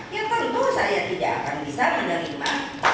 itu saya tidak akan bisa menerima